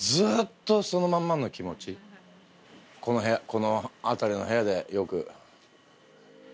この辺りの部屋でよく。